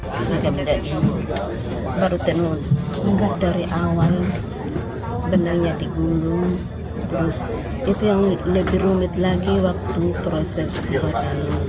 pembelian baru tenun dari awal benangnya digundung itu yang lebih rumit lagi waktu proses pembuatan